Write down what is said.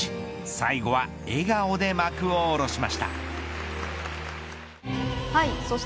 最後は笑顔で幕を下ろしました。